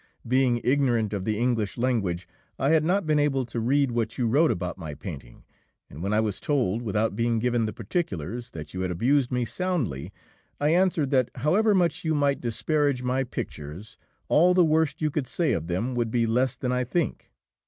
Being ignorant of the English language, I had not been able to read what you wrote about my painting, and when I was told, without being given the particulars, that you had abused me soundly, I answered that, however much you might disparage my pictures, all the worst you could say of them would be less than I think.